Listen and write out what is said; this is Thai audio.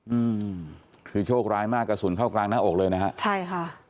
อืมคือโชคร้ายมากกระสุนเข้ากลางหน้าอกเลยนะฮะใช่ค่ะ